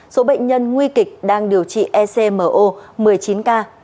số bệnh nhân nguy kịch đang điều trị ecmo một mươi chín ca